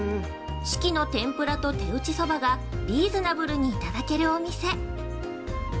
四季の天ぷらと手打ちそばがリーズナブルにいただけるお店。